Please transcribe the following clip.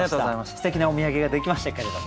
すてきなお土産ができましたけれど。